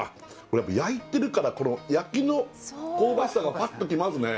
これやっぱ焼いてるから焼きの香ばしさがパッときますね